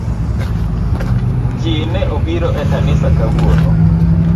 Jii ne obiro e kanisa kawuono